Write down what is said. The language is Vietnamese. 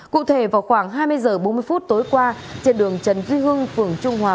cụ thể vào khoảng hai mươi h bốn mươi phút tối qua trên đường trần duy hưng phường trung hòa